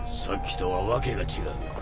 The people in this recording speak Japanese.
さっきとは訳が違う。